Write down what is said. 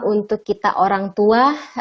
untuk kita orang tua